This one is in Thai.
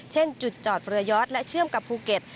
เช่นจุดจอดเรือยอดและเชื่อมกับภูเก็ต